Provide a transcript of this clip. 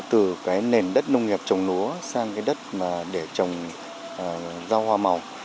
từ nền đất nông nghiệp trồng lúa sang đất để trồng rau hoa màu